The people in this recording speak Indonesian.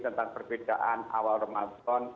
seperti tentang perbedaan awal ramadhan